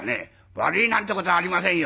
「悪いなんてことはありませんよ。